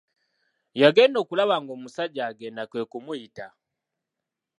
Yagenda okulaba ng'omusajja agenda kwe kumuyita.